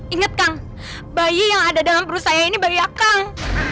ingat kang bayi yang ada dalam perusahaan ini bayi akang